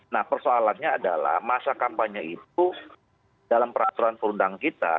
nah persoalannya adalah masa kampanye itu dalam peraturan perundang kita